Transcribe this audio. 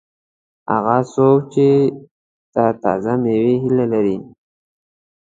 هغه څوک چې د تازه مېوې هیله لري.